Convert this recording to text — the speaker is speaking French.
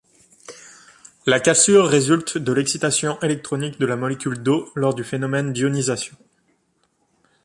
La cassure résulte de l'excitation électronique de la molécule d'eau lors du phénomène d’ionisation.